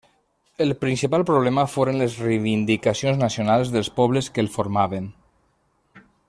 El principal problema foren les reivindicacions nacionals dels pobles que el formaven.